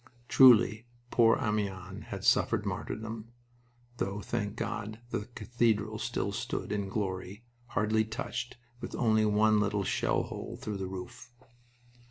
Truly, poor Amiens had suffered martyrdom; though, thank God, the cathedral still stood in glory, hardly touched, with only one little shellhole through the roof.